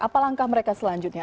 apa langkah mereka selanjutnya